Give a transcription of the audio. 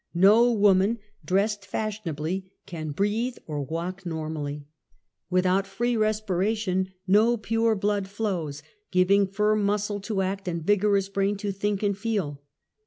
No woman, dressed fashionably, can breath or walk normally. Without free respiration no pure blood flows, giving firm muscle to act and ' vigorous brain to think and feel.